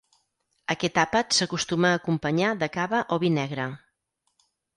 Aquest àpat s'acostuma a acompanyar de cava o vi negre.